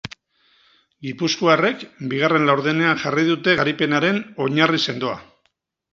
Gipuzkoarrek bigarren laurdenean jarri dute garaipenaren oinarri sendoa.